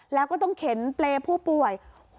แล้วก็ต้องเข็นเปรย์ผู้ป่วย